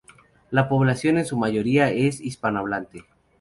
La población en su mayoría es hispanohablante.